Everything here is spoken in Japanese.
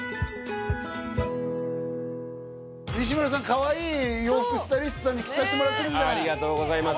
かわいい洋服スタイリストさんに着させてもらってありがとうございます